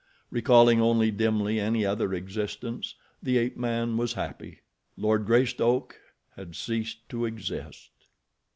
Recalling only dimly any other existence, the ape man was happy. Lord Greystoke had ceased to exist.